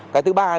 cái thứ ba nữa là